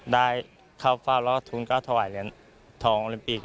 ได้เข้าเฝ้าแล้วก็ทุน๙ถวายเหรียญทองโอลิมปิก